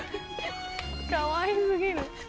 かわい過ぎる。